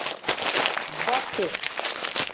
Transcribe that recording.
Boti.